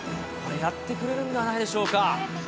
これやってくれるんではないでしょうか。